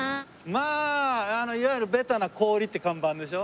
まああのいわゆるベタな「氷」って看板でしょ？